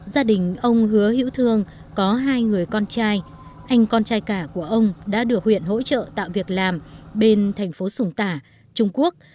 gia đình ông hứa hữu thương có hai người con trai anh con trai cả của ông đã được huyện hỗ trợ tạo việc làm bên thành phố sùng tả trung quốc